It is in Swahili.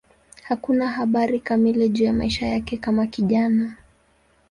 Hakuna habari kamili juu ya maisha yake kama kijana.